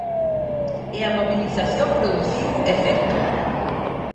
E a mobilización produciu efecto.